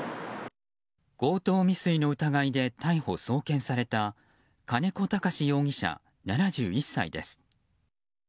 強盗未遂の疑いで逮捕・送検された金子孝容疑者、７１歳です。